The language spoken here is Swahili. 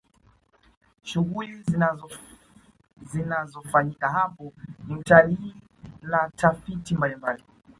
shughuli zinazofanyika hapo ni utalii na tafiti mbalimbali